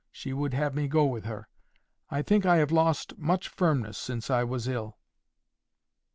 She would have me go with her. I think I have lost much firmness since I was ill."